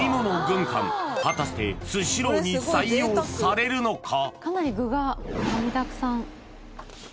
軍艦果たしてスシローに採用されるのか？